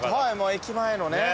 駅前のね。